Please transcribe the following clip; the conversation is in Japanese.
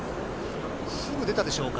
すぐ出たでしょうか。